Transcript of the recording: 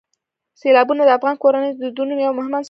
سیلابونه د افغان کورنیو د دودونو یو مهم عنصر دی.